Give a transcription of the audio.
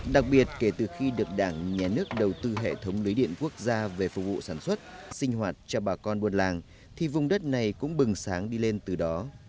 đặc biệt kể từ khi được đảng nhà nước đầu tư hệ thống lưới điện quốc gia về phục vụ sản xuất sinh hoạt cho bà con buôn làng thì vùng đất này cũng bừng sáng đi lên từ đó